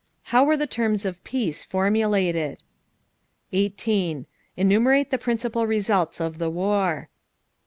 How were the terms of peace formulated? 18. Enumerate the principal results of the war.